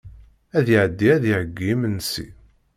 Ad iɛeddi ad iheyyi imensi.